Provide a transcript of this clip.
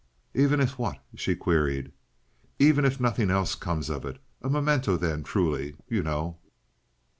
"Even if what?" she queried. "Even if nothing else comes of it. A memento, then—truly—you know."